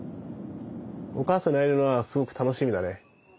お母さんに会えるのはすごく楽しみだね。